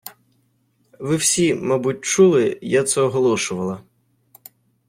Ви всі, мабуть, чули, я це оголошувала!